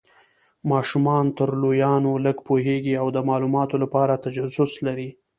ماشومان تر لویانو لږ پوهیږي او د مالوماتو لپاره تجسس لري.